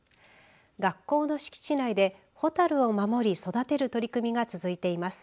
学校の敷地内でホタルを守り育てる取り組みが続いています。